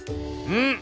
うん。